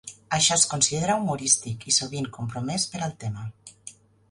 Això es considera humorístic i sovint compromès per al tema.